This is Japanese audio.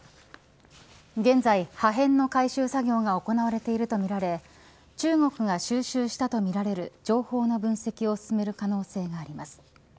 現在、破片の回収作業が行われているとみられ中国が収集したとみられる情報の分析を進める可能性があります。